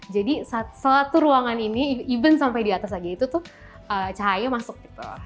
jadi satu ruangan ini even sampai di atas lagi itu tuh cahayanya masuk gitu